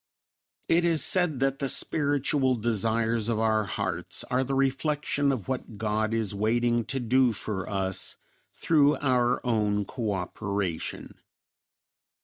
It is said that the spiritual desires of our hearts are the reflection of what God is waiting to do for us through our own co operation.